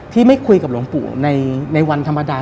ที่ไม่คุยกับหลวงปู่ในวันธรรมดา